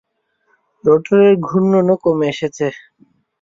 রোটরের ঘূর্ননও কমে এসেছে!